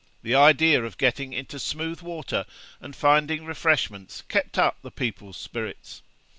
The idea of getting into smooth water and finding refreshments kept up the people's spirits.